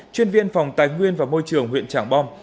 chuyên viên phòng tài nguyên và môi trường huyện tràng bom